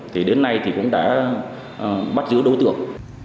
thì đến nay cũng đã bắt giữ đối tượng